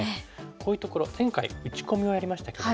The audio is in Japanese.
こういうところ前回打ち込みをやりましたけども。